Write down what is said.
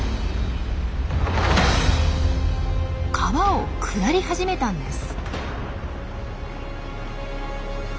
川を下り始めたんです。